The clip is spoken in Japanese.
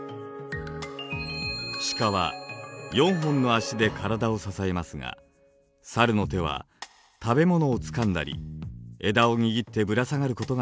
シカは４本の足で体を支えますがサルの手は食べ物をつかんだり枝を握ってぶら下がることができます。